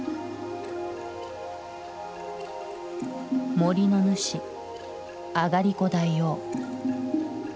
森の主あがりこ大王。